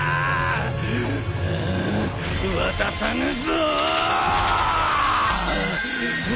渡さぬぞ！